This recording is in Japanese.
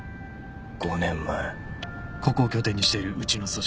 ここを拠点にしているうちの組織